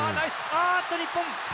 あっと日本。